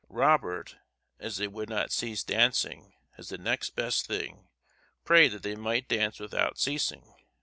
Robert, as they would not cease dancing, as the next best thing, prayed that they might dance without ceasing.